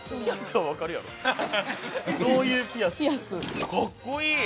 かっこいい！